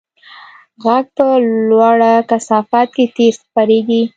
غږ په لوړه کثافت کې تېز خپرېږي.